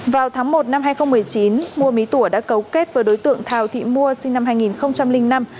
vào tháng một năm hai nghìn một mươi chín mua mí tỷ đã cấu kết với đối tượng thảo thị mua sinh năm hai nghìn ba